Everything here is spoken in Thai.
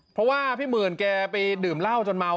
เพราะพี่เมื่นแกไปดื่มล่าวจนเมา